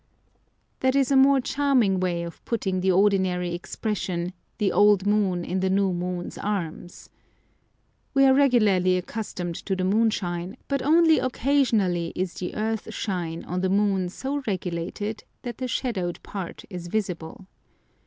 That is a more charming way of putting the ordinary expression, "the old moon in the new moon's arms." We are regularly accustomed to the moonshine, but only occasionally is the earthshine on the moon so regulated that the shadowed part is visible.